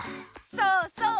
そうそう！